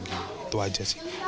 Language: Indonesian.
itu saja sih